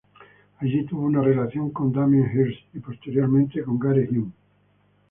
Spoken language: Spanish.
Allí tuvo una relación con Damien Hirst y posteriormente con Gary Hume.